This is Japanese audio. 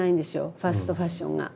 ファストファッションが。